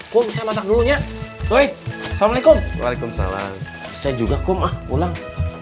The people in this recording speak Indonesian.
kum saya masak dulunya baik assalamualaikum waalaikumsalam saya juga kum ah pulang